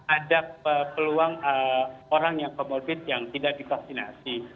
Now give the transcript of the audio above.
ada peluang orang yang comorbid yang tidak divaksinasi